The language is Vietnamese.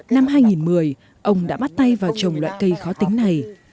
năm hai nghìn một mươi ông đã bắt tay vào trồng loại cây khó tính này